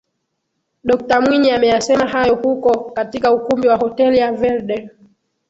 Dokta Mwinyi ameyasema hayo huko katika ukumbi wa Hoteli ya Verde